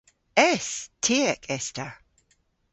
Es! Tiek es ta.